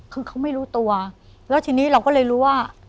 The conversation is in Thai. คือเขาไม่รู้ตัวแล้วทีนี้เราก็เลยรู้ว่า